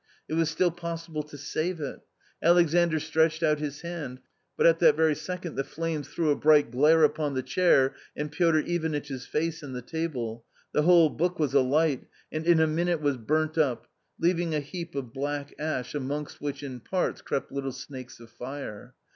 It was still possible to save it. Alexandr stretched out his hand, but at that very second the flames threw a bright glare upon the chair and Piotr Ivanitch's face and the table ; the whole book was alight and in a minute was burnt up, leaving a heap of black ash amongst which in parts crept little snakes of fire.